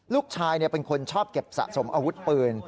ลูกชายเป็นคนชอบเก็บสะสมอาวุธปืน